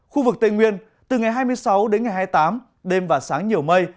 khu vực tây nguyên từ ngày hai mươi sáu đến ngày hai mươi tám đêm và sáng nhiều mây